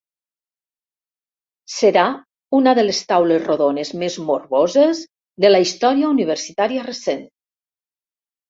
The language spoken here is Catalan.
Serà una de les taules rodones més morboses de la història universitària recent.